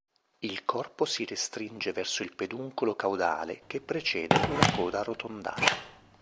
Il corpo si restringe verso il peduncolo caudale, che precede una coda arrotondata.